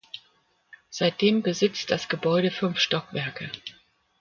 Seitdem besitzt das Gebäude fünf Stockwerke.